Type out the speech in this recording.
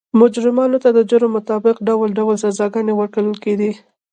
مجرمانو ته د جرم مطابق ډول ډول سزاګانې ورکول کېدې.